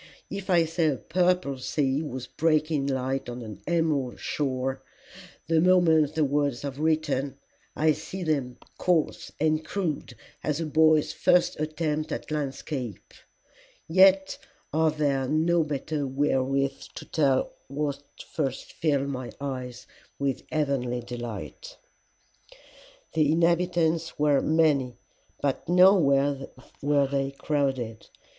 If I say a purple sea was breaking in light on an emerald shore, the moment the words are written, I see them coarse and crude as a boy's first attempt at landscape; yet are there no better wherewith to tell what first filled my eyes with heavenly delight. "'The inhabitants were many, but nowhere were they crowded.